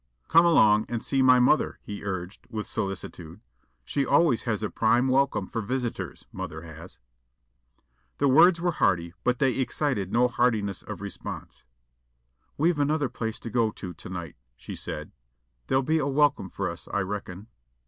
"Come along and see my mother," he urged, with solicitude. "She always has a prime welcome for visitors, mother has." The words were hearty, but they excited no heartiness of response. "We've another place to go to to night," she said. "There'll be a welcome for us, I reckon."